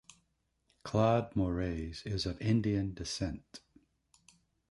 Claude Moraes is of Indian descent.